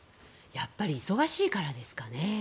やっぱり忙しいからですかね。